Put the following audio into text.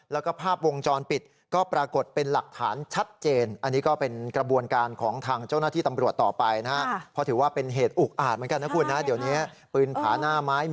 แล้วก็ภาพวงจรปิดก็ปรากฏเป็นหลักฐานชัดเจน